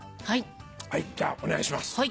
はいじゃお願いします。